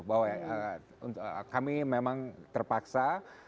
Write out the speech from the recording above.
bahwa kami memang terpaksa